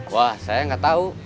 wah saya gak tau